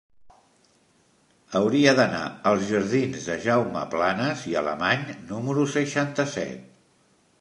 Hauria d'anar als jardins de Jaume Planas i Alemany número seixanta-set.